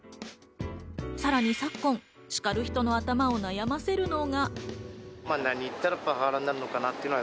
さらに昨今、叱る人の頭を悩ませるのが。